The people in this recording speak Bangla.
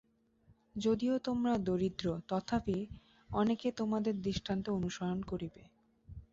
যদিও তোমরা দরিদ্র, তথাপি অনেকে তোমাদের দৃষ্টান্ত অনুসরণ করিবে।